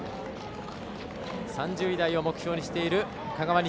３０位台を目標にしている香川西。